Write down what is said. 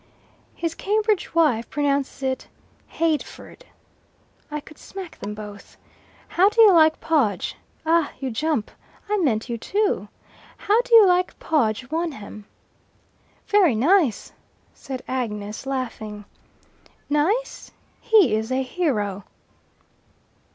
His Cambridge wife pronounces it 'Hyadford.' I could smack them both. How do you like Podge? Ah! you jump; I meant you to. How do you like Podge Wonham?" "Very nice," said Agnes, laughing. "Nice! He is a hero."